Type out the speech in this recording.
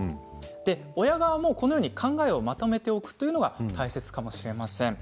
親側も、このように考えをまとめておくということが大切かもしれません。